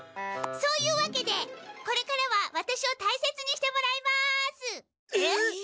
そういうわけでこれからはワタシをたいせつにしてもらいます。えっ！？